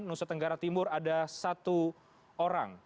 nusa tenggara timur ada satu orang